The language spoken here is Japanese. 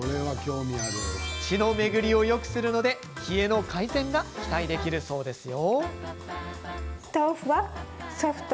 血の巡りをよくするので冷えの改善が期待できるそうですよ。